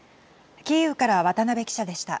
キーウから渡辺記者でした。